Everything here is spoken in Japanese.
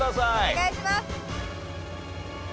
お願いします！